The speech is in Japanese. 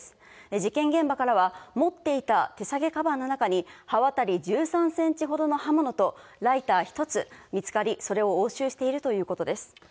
事件現場からは、持っていた手提げかばんの中に、刃渡り１３センチほどの刃物と、ライター１つ見つかり、それを押収しているということです。